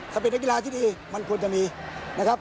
สปีนกีฬาที่ดีมันควรจะมีนะครับ